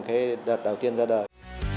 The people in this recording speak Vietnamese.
cái đợt đầu tiên ra đời